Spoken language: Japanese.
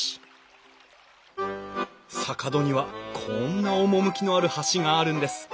坂戸にはこんな趣のある橋があるんです。